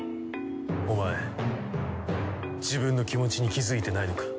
お前自分の気持ちに気付いてないのか？